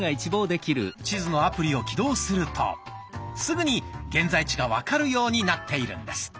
地図のアプリを起動するとすぐに現在地が分かるようになっているんです。